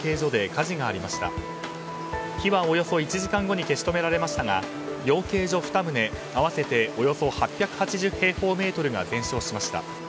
火はおよそ１時間後に消し止められましたが養鶏所２棟、合わせておよそ８８０平方メートルが全焼しました。